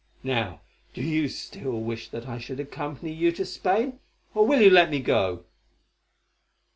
Now do you still wish that I should accompany you to Spain, or will you let me go?"